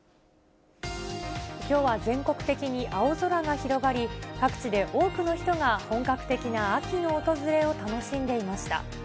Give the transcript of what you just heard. きょうは全国的に青空が広がり、各地で多くの人が本格的な秋の訪れを楽しんでいました。